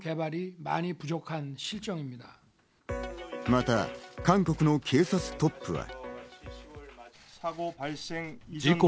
また韓国の警察トップは。